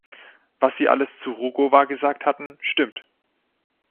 Was Sie alles zu Rugova gesagt hatten, stimmt.